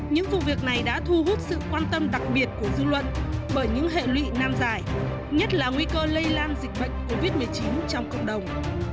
những vụ việc này đã thu hút sự quan tâm đặc biệt của dư luận bởi những hệ lụy nam giải nhất là nguy cơ lây lan dịch bệnh covid một mươi chín trong cộng đồng